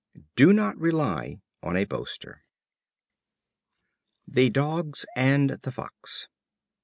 Do not rely upon a boaster. The Dogs and the Fox.